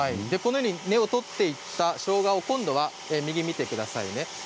根を取っていったしょうがを今度は右を見てくださいね。